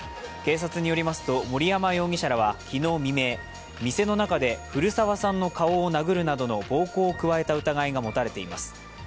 警察によりますと森山容疑者らは昨日未明店の中で古澤さんの顔を殴るなどの暴行を加えた疑いが持たれています。